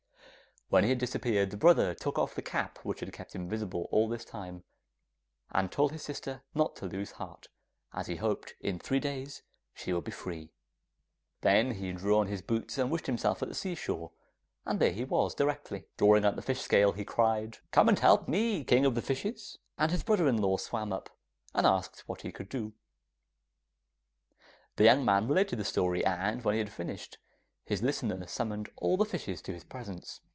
When he had disappeared, the brother took off the cap which had kept him invisible all this time, and told his sister not to lose heart as he hoped in three days she would be free. Then he drew on his boots, and wished himself at the seashore, and there he was directly. Drawing out the fish scale, he cried, 'Come and help me, King of the Fishes!' and his brother in law swam up, and asked what he could do. The young man related the story, and when he had finished his listener summoned all the fishes to his presence.